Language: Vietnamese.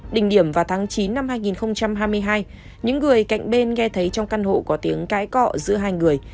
đỉnh điểm vào tháng chín năm hai nghìn hai mươi hai những người cạnh bên nghe thấy trong căn hộ có tiếng cái cọ giữa hai người